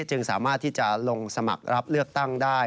จึงสามารถที่จะลงสมัครรับเลือกตั้งได้